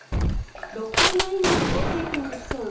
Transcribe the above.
６回の演技の合計点で競う